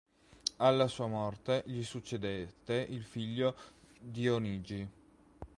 Alla sua morte gli succedette il figlio Dionigi.